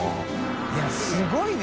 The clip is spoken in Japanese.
いやすごいね。